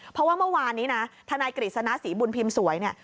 เพราะว่าเมื่อวานนี้นะทนายกฤษณะศรีบุญพิมพ์สวยเนี่ย